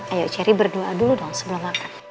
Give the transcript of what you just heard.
ayo cherry berdoa dulu dong sebelum makan